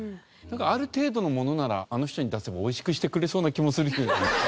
ある程度のものならあの人に出せば美味しくしてくれそうな気もするけどね。